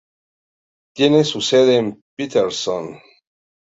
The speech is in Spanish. Tiene su sede en Paterson.